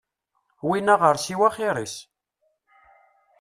Win aɣersiw axir-is.